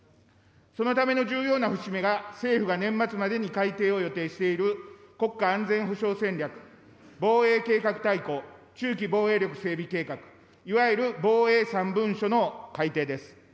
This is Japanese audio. そのための重要な節目が政府が年末までに改定を予定している国家安全保障戦略、防衛計画大綱、中期防衛力整備計画、いわゆる防衛三文書の改定です。